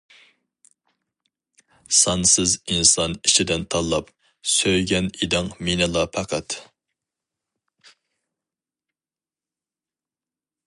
سانسىز ئىنسان ئىچىدىن تاللاپ، سۆيگەن ئىدىڭ مېنىلا پەقەت.